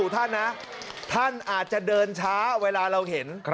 ท่านนะท่านอาจจะเดินช้าเวลาเราเห็น